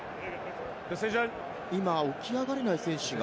今、起き上がれない選手が。